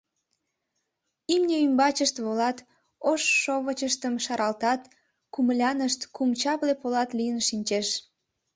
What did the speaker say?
Имне ӱмбачышт волат, ош шовычыштым шаралтат — кумылянышт кум чапле полат лийын шинчеш.